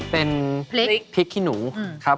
เป็นพริกขี้หนูครับ